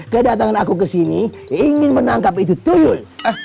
kedatangan aku kesini ingin menangkap itu tuh